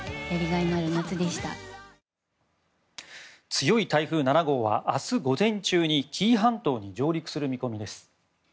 強い台風７号は明日午前中に紀伊半島に上陸する見込みです。